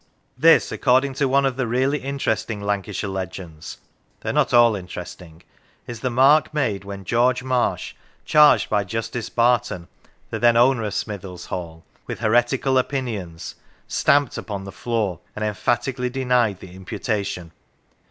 This, according to one of the really interesting Lancashire legends (they are not all interesting), is the mark made when George Marsh, charged by Justice Barton (the then owner of Smithills Hall), with heretical opinions, stamped upon the floor and emphatically denied the imputation.